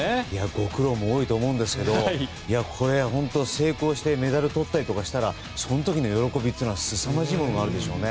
ご苦労も多いと思いますが成功してメダルとったりしたらその時の喜びはすさまじいものがあるでしょうね。